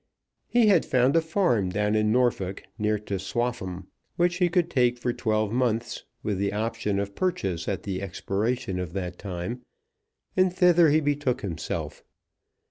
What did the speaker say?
He had found a farm down in Norfolk, near to Swaffham, which he could take for twelve months, with the option of purchase at the expiration of that time, and thither he betook himself.